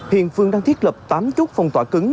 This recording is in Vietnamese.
hiện phương đang thiết lập tám chốt phòng tỏa cứng